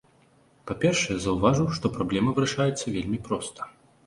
Па-першае, заўважу, што праблема вырашаецца вельмі проста.